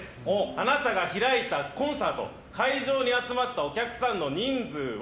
あなたが開いたコンサート会場に集まったお客さんの人数は？